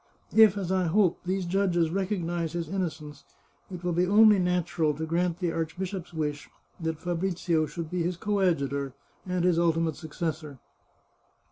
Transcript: If, as I hope, these judges recognise his innocence, it will be only natural to grant the archbishop's wish that Fabrizio shall be his coadjutor, and his ultimate successor.